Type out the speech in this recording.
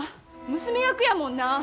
娘役やもんな。